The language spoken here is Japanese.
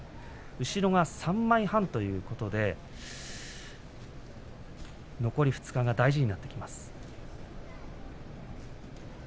後ろが３枚半ということで残り２日が大事になってきます。